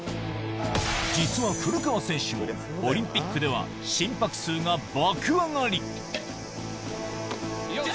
実は古川選手も、オリンピックでは心拍数が爆上がり。